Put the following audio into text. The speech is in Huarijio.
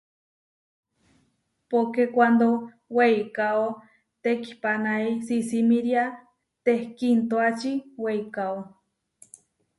Poké kuándo weikáo tekihpánai, sisimíria tehkiintuáči weikáo.